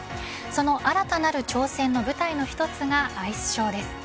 その新たなる挑戦の舞台の一つがアイスショーです。